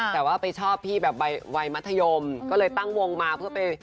แต่ว่าไปชอบพี่แบบวัยมัธยมก็เลยตั้งวงมาเพื่อไป